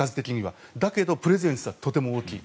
だけどプレゼンスはとても大きい。